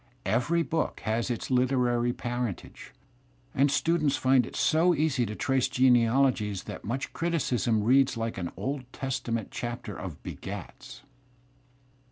Every book has its Kterary parentage, and students find it so easy to trace genealogies that much criticism reads ^ like an Old Testament chapter of "b^ats."